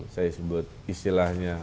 saya sebut istilahnya